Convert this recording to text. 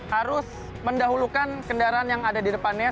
harus mendahulukan kendaraan yang ada di depannya